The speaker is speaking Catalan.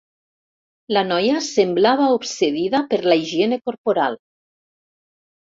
La noia semblava obsedida per la higiene corporal.